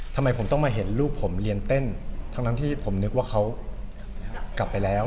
ทำไมผมต้องมาเห็นลูกผมเรียนเต้นทั้งนั้นที่ผมนึกว่าเขากลับไปแล้ว